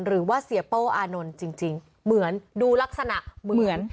หรือว่าเสียโป้อานนท์จริงเหมือนดูลักษณะเหมือน